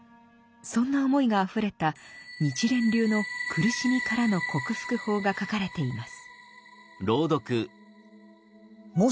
そんな思いがあふれた日蓮流の苦しみからの克服法が書かれています。